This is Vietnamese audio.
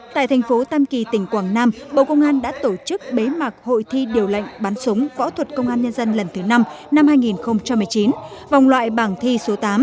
tại thành phố tam kỳ tỉnh quảng nam bộ công an đã tổ chức bế mạc hội thi điều lệnh bắn súng võ thuật công an nhân dân lần thứ năm năm hai nghìn một mươi chín vòng loại bảng thi số tám